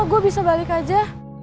gue bisa balik aja